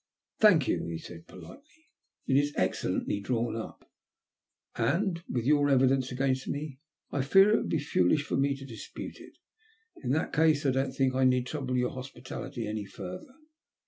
" Thank you," he said, politely. " It is excellently drawn up, and, with your evidence against me, I fear it would be foolish for me to dispute it. In that case, I don't think I need trouble your hospitality any further."